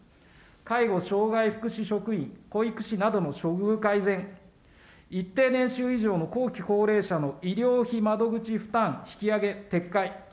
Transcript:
介護、障害福祉職員、保育士などの処遇改善、一定年収以上の後期高齢者の医療費窓口負担引き上げ撤回。